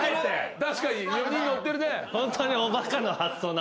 確かに４人乗ってるね。